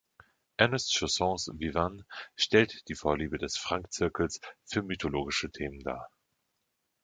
Ernest Chaussons „Vivane“ stellt die Vorliebe des Franck-Zirkels für mythologische Themen dar.